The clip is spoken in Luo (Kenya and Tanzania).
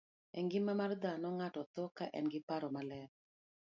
E ngima mar dhano, ng'ato tho ka en gi paro maler.